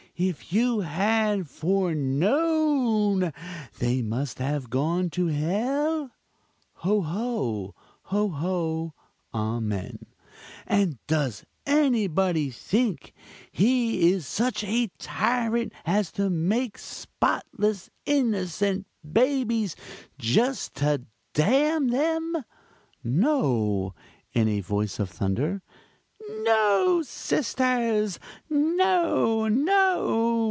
_ if you had foreknown they must have gone to hell? (hoho! hoho amen!) And does anybody think He is such a tyrant as to make spotless, innocent babies just to damn them? (No! in a voice of thunder.) No! sisters! no! no!